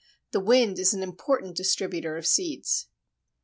The wind is an important distributer of seeds.